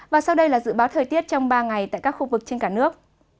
và sau đây là dự báo thời tiết trong ba ngày tại các khu vực trên cả nước